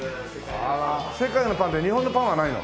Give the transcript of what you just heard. あら世界のパンって日本のパンはないの？